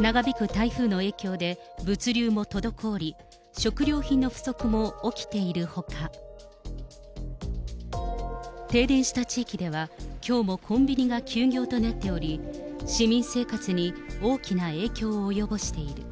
長引く台風の影響で物流も滞り、食料品の不足も起きているほか、停電した地域では、きょうもコンビニが休業となっており、市民生活に大きな影響を及ぼしている。